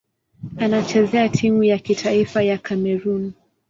Anachezea timu ya taifa ya Kamerun.